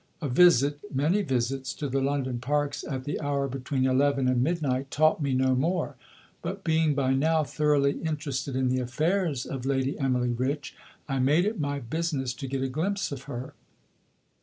A visit, many visits to the London parks at the hour between eleven and midnight taught me no more; but being by now thoroughly interested in the affairs of Lady Emily Rich I made it my business to get a glimpse of her.